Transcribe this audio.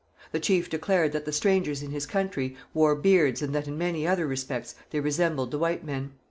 The chief declared that the strangers in his country wore beards and that in many other respects they resembled the white men.